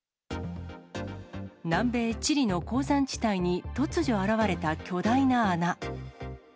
南米チリの鉱山地帯に、突如現れた巨大な穴。